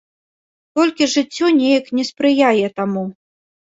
Толькі жыццё неяк не спрыяе таму.